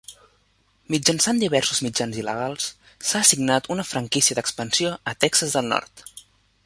Mitjançant diversos mitjans il·legals, s'ha assignat una franquícia d'expansió a Texas del Nord.